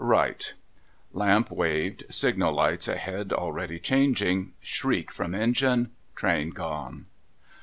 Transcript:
Right:' Lamp waved. Signal lights ahead already changing. Shriek from engine. Train gone.